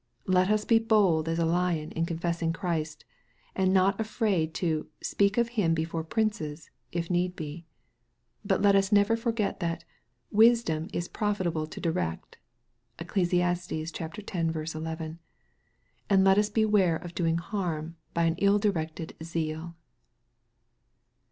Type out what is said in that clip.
Let us be bold as a lion in confessing Christ, and not be afraid to "speak of Him before princes," if need be. But let us" never for get that " Wisdom is profitable to direct" (Eccles. x. 11), and let us beware of doing harm by an ill directed zeal.